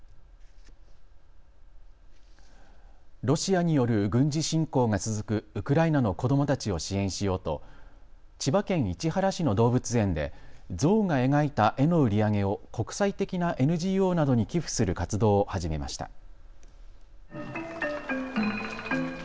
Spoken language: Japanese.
ロシアによる軍事侵攻が続くウクライナの子どもたちを支援しようと千葉県市原市の動物園でゾウが描いた絵の売り上げを国際的なＮＧＯなどに寄付する活動を始めました。